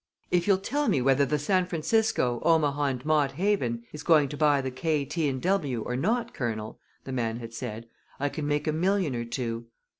"If you'll tell me whether the San Francisco, Omaha & Mott Haven is going to buy the K., T. & W. or not, Colonel," the man had said, "I can make a million or two."